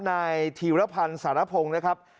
นายธีรพันธ์สารพงศ์นะครับ